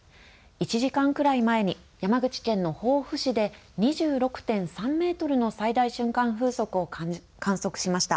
１時間くらい前に山口県の防府市で２６．３メートルの最大瞬間風速を観測しました。